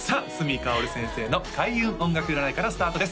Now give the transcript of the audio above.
かおる先生の開運音楽占いからスタートです